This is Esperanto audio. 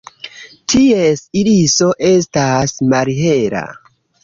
Ties iriso estas malhela.